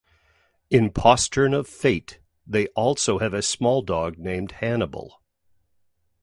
In "Postern of Fate" they also have a small dog named Hannibal.